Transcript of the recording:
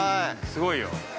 ◆すごいよ。